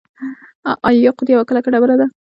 آیا یاقوت یوه کلکه ډبره ده؟